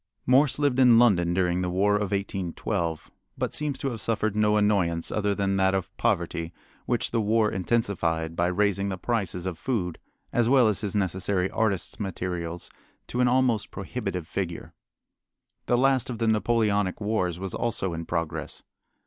Morse lived in London during the War of 1812, but seems to have suffered no annoyance other than that of poverty, which the war intensified by raising the prices of food as well as his necessary artist's materials to an almost prohibitive figure. The last of the Napoleonic wars was also in progress.